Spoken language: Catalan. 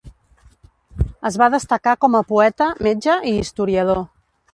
Es va destacar com a poeta, metge i historiador.